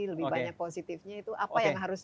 lebih banyak positifnya itu apa yang harus